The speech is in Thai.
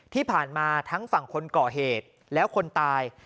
ที่ผ่านมาทั้งฝั่งคนก่อเหตุแล้วคนตาย